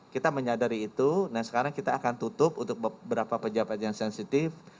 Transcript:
kita menyadari itu dan sekarang kita akan tutup untuk beberapa pejabat yang sensitif